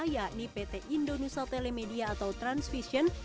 yakni pt indonesia telemedia atau transvision